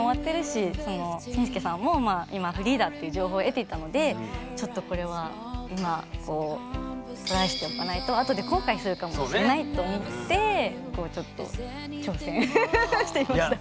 なるほど。っていう情報を得ていたのでちょっとこれは今トライしておかないと後で後悔するかもしれないと思ってちょっと挑戦してみました。